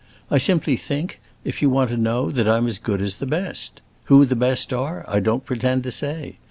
I simply think, if you want to know, that I'm as good as the best. Who the best are, I don't pretend to say.